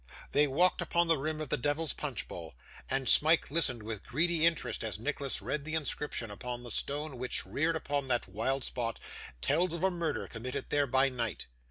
They walked upon the rim of the Devil's Punch Bowl; and Smike listened with greedy interest as Nicholas read the inscription upon the stone which, reared upon that wild spot, tells of a murder committed there by night.